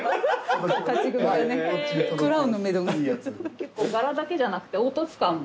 結構柄だけじゃなくて凹凸感も。